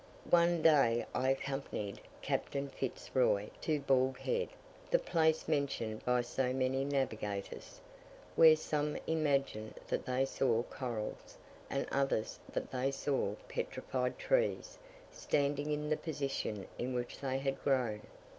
One day I accompanied Captain Fitz Roy to Bald Head; the place mentioned by so many navigators, where some imagined that they saw corals, and others that they saw petrified trees, standing in the position in which they had grown.